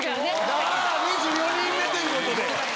２４人目ということで。